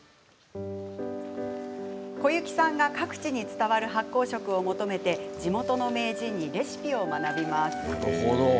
小雪さんが各地に伝わる発酵食を求めて地元の名人にレシピを学びます。